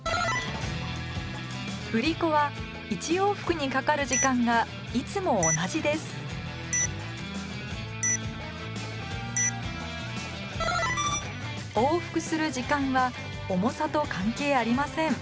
振り子は１往復にかかる時間がいつも同じです往復する時間は重さと関係ありません